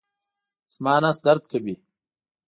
زما نس درد کوي